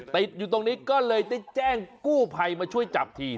ติดอยู่ตรงนี้ก็เลยได้แจ้งกู้ภัยมาช่วยจับที